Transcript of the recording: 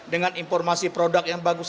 dengan informasi produk yang bagus